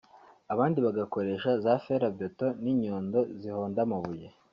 abandi bagakoresha za ferabeto n’inyundo zihonda amabuye